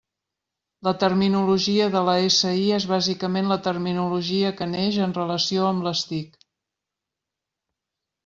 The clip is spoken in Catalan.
La terminologia de la SI és bàsicament la terminologia que neix en relació amb les TIC.